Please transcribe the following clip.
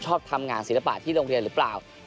ชอบทำงานศิลปะที่โรงเรียนหรือเปล่า